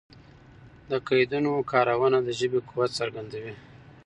د قیدونو کارونه د ژبي قوت څرګندوي.